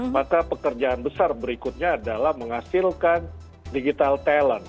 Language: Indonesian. maka pekerjaan besar berikutnya adalah menghasilkan digital talent